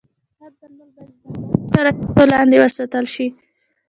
هر درمل باید د ځانګړو شرایطو لاندې وساتل شي.